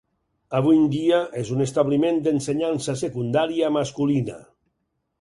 Avui en dia és un establiment d'ensenyança secundària masculina.